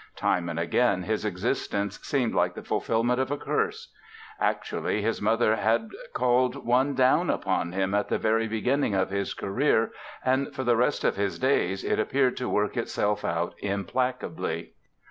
Time and again his existence seemed like the fulfillment of a curse. Actually, his mother had called one down upon him at the very beginning of his career and for the rest of his days it appeared to work itself out implacably.